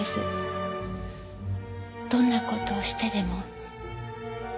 どんな事をしてでも。